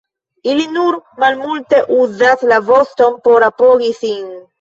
Ili nur malmulte uzas la voston por apogi sin.